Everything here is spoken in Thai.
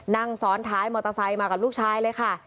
นั่งซ้อนท้ายมอเตอร์ไซค์มากับลูกชายเลยค่ะ